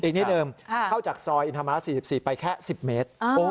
อีกที่เดิมเข้าจากซอยอินทรมาส๔๔ไปแค่๑๐เมตร